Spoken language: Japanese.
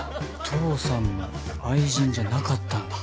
父さんの愛人じゃなかったんだ。